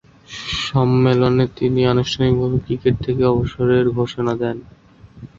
সম্মেলনে তিনি আনুষ্ঠানিকভাবে ক্রিকেট থেকে অবসরের ঘোষণা দেন।